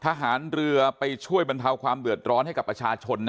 ทหารเรือไปช่วยบรรเทาความเดือดร้อนให้กับประชาชน